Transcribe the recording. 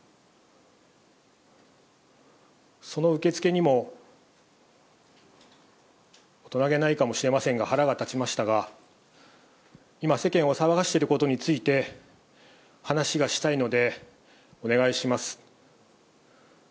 その受付にも、大人げないかもしれませんが、腹が立ちましたが、今、世間を騒がしてることについて話がしたいので、お願いします。